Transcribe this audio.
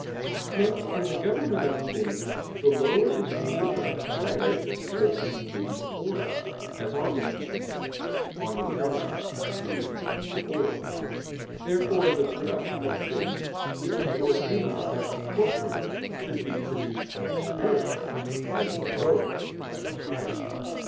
Hence in the government of things the lower is ruled by the higher in a certain fitting order, as Augustine says (De Trin. iii, 4). Therefore in the production of things it was ordained that the corporeal should be produced by the spiritual, as the lower by the higher.